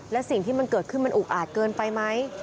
และสิ่งที่มันเกิดขึ้นมันอุกอาจเกินไปไหม